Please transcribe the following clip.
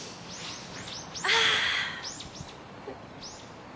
ああ。